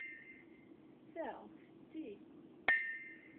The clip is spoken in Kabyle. Ta d setti.